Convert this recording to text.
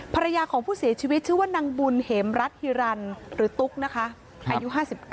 ภรรยาของผู้เสียชีวิตชื่อว่านางบุญเหมรัฐฮิรันหรือตุ๊กนะคะอายุ๕๙